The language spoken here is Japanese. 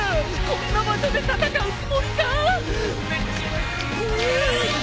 こんな場所で戦うつもりか！？